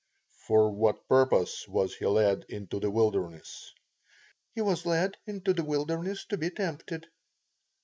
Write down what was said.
_ For what purpose was he led into the wilderness? P. He was led into the wilderness to be tempted.